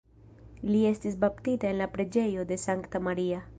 Li estis baptita en la Preĝejo de Sankta Maria.